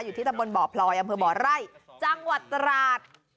ที่ตำบลบ่อพลอยอำเภอบ่อไร่จังหวัดตราด